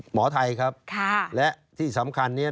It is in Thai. หมอไทยครับและที่สำคัญเนี่ย